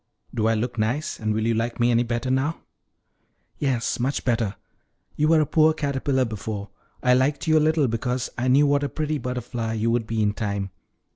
Do I look nice; and will you like me any better now?" "Yes, much better. You were a poor caterpillar before; I liked you a little because I knew what a pretty butterfly you would be in time.